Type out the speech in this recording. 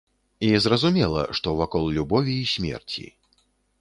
І зразумела, што вакол любові і смерці.